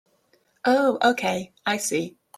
Oh okay, I see.